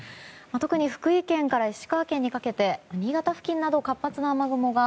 特に福井県から石川県にかけてや新潟付近などにも活発な雨雲が